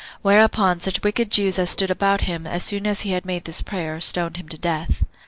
Whereupon such wicked Jews as stood about him, as soon as he had made this prayer, stoned him to death. 2.